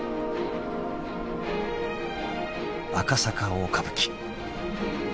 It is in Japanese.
［赤坂大歌舞伎］